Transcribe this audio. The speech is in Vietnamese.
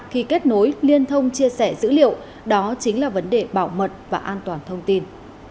khi kết nối liên thông chia sẻ dữ liệu đó chính là vấn đề bảo mật và an toàn thông tin